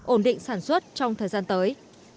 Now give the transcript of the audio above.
ổn định sản xuất trong thời gian tới